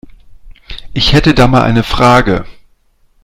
Ich hätte da mal eine Frage.